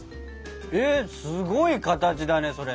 えっすごい形だねそれ。